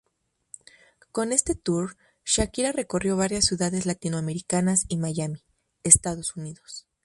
Con este "tour" Shakira recorrió varias ciudades latinoamericanas y Miami, Estados Unidos.